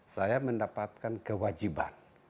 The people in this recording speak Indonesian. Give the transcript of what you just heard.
saya mendapatkan kewajiban